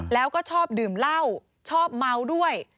แล้วก็ชอบดื่มเหล้าชอบเมาด้วย